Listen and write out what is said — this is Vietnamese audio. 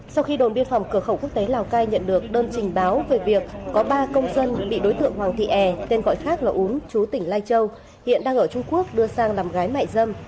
sau khi đồn biên phòng cửa khẩu quốc tế lào cai nhận được đơn trình báo về việc có ba công dân bị đối tượng hoàng thị e tên gọi khác là úm chú tỉnh lai châu hiện đang ở trung quốc đưa sang làm gái mại dâm